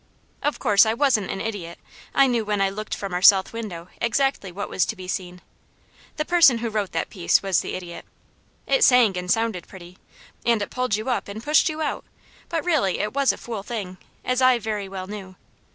Of course I wasn't an idiot. I knew when I looked from our south window exactly what was to be seen. The person who wrote that piece was the idiot. It sang and sounded pretty, and it pulled you up and pushed you out, but really it was a fool thing, as I very well knew.